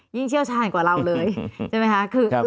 เชี่ยวชาญกว่าเราเลยใช่ไหมคะ